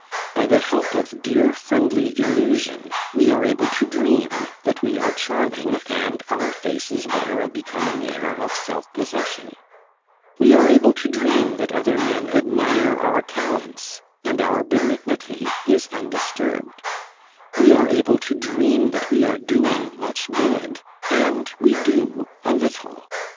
By the help of dear friendly illusion, we are able to dream that we are charming and our faces wear a becoming air of self possession; we are able to dream that other men admire our talents and our benignity is undisturbed; we are able to dream that we are doing much good and we do a little.